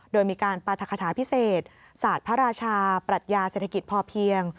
โดยมีการปรัฐคาถาพิเศษศาสตร์พระราชาปรัชญาเศรษฐกิจพอเพียง